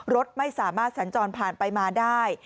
รถไม่สามารถสัญจรผ่านไปมาได้